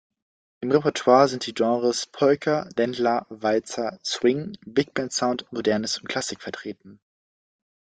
Im Repertoire sind die Genres Polka, Ländler, Walzer, Swing, Bigband-Sound, Modernes und Klassik vertreten.